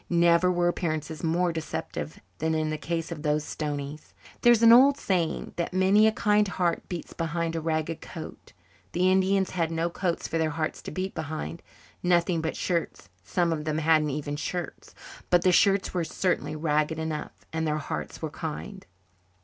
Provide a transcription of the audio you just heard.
Never were appearances more deceptive than in the case of those Stoneys. There is an old saying that many a kind heart beats behind a ragged coat. The Indians had no coats for their hearts to beat behind nothing but shirts some of them hadn't even shirts! But the shirts were certainly ragged enough, and their hearts were kind.